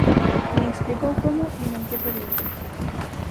Nin explicou como nin en que período.